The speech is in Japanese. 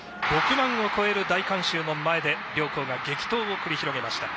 ６万を超える大観衆の前で両校が激闘を繰り広げました。